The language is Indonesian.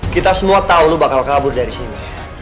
kita semua tahu lo bakal kabur dari sini